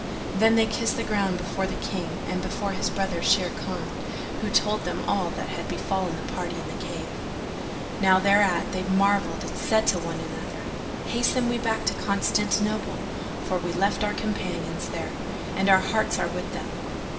Then they kissed the ground before the King and before his brother Sharrkan, who told them all that had befallen the party in the cave. Now thereat they marvelled and said to one another, "Hasten we back to Constantinople, for we left our companions there, and our hearts are with them."